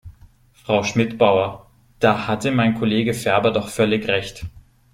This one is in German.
Frau Schmidbauer, da hatte mein Kollege Ferber doch völlig recht.